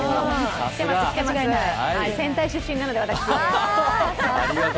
戦隊出身なので、私。